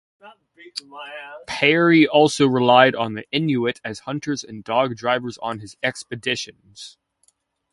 Peary also relied on the Inuit as hunters and dog-drivers on his expeditions.